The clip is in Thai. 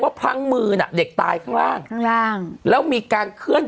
พลั้งมือน่ะเด็กตายข้างล่างข้างล่างแล้วมีการเคลื่อน